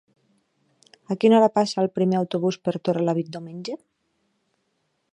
A quina hora passa el primer autobús per Torrelavit diumenge?